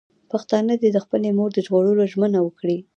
پښتانه دې د خپلې مور د ژغورلو ژمنه وکړي.